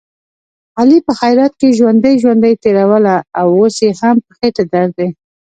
علي په خیرات کې ژوندۍ ژوندۍ تېروله، اوس یې په خېټه درد دی.